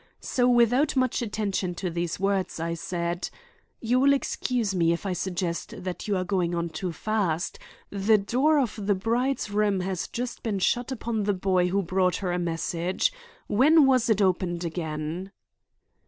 So, without much attention to these words, I said: "You will excuse me if I suggest that you are going on too fast. The door of the bride's room has just been shut upon the boy who brought her a message. When was it opened again?"